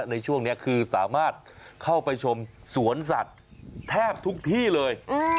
ในช่วงนี้คือสามารถเข้าไปชมสวนสัตว์แทบทุกที่เลย